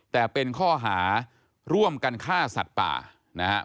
แต่เป็นข้อหาร่วมกันฆ่าสัตว์ป่านะครับ